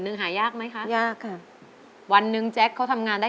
แต่ในความรักคือไม่ได้